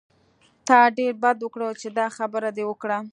تا ډېر بد وکړل چې دا خبره دې وکړه.